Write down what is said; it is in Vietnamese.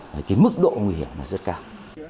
cái mức độ nguy hiểm là rất cao